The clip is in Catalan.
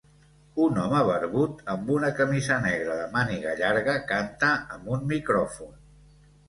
Un home barbut amb una camisa negra de màniga llarga canta amb un micròfon.